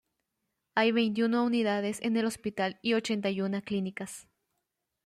Hay veintiuno unidades en el hospital y ochenta y una clínicas.